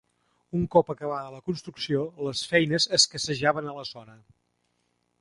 Un cop acabada la construcció, les feines escassejaven a la zona.